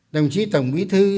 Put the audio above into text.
đồng chí tổng bí thư